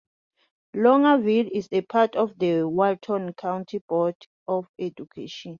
Loganville is a part of the Walton County board of education.